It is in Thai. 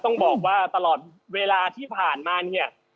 ต้องบอกว่าตลอดเวลาที่ผ่านมาเนี่ย